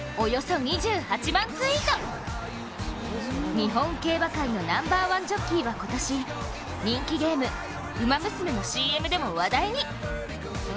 日本競馬界のナンバーワンジョッキーは今年人気ゲーム「ウマ娘」のＣＭでも話題に。